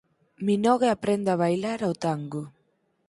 Minogue aprende a bailar o tango